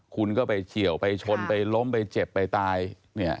คุณก็ไปเฉียวไปชนไปล้มไปเจ็บไปตายเนี่ย